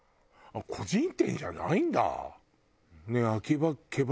個人店じゃないんだ。